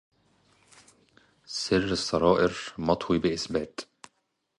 سر السرائر مطوي بإثبات